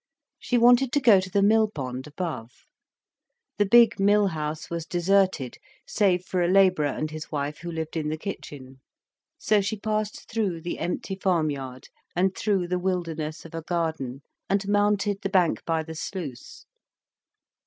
She wanted to go to the mill pond above. The big mill house was deserted, save for a labourer and his wife who lived in the kitchen. So she passed through the empty farm yard and through the wilderness of a garden, and mounted the bank by the sluice.